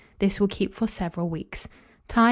This will keep for several weeks. Time.